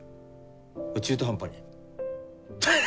中途半端に。